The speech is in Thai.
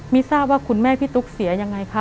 ทราบว่าคุณแม่พี่ตุ๊กเสียยังไงคะ